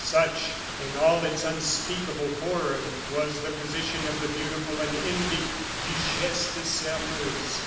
Such, in all its unspeakable horror, was the position of the beautiful and envied Duchesse de Sairmeuse.